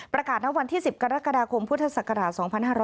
ประกาศทั้งวันที่๑๐กรกฎาคมพุทธศักราช๒๕๖๒